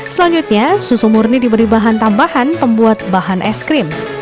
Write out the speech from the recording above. selanjutnya susu murni diberi bahan tambahan pembuat bahan es krim